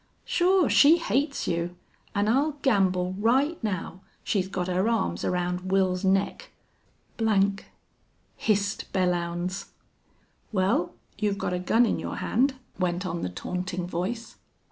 Sure she hates you, an' I'll gamble right now she's got her arms around Wils's neck!" "!" hissed Belllounds. "Well, you've got a gun in your hand," went on the taunting voice.